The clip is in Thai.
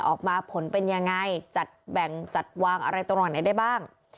ออกมาผลเป็นยังไงจัดแบ่งจัดวางอะไรตรงไหนได้บ้าง